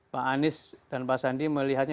pak anies dan pak sandi melihatnya